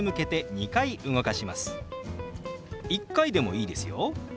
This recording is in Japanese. １回でもいいですよ。